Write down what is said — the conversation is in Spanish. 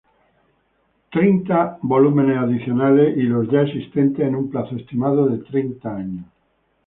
Treinta volúmenes adicionales a los ya existentes en un plazo estimado de treinta años.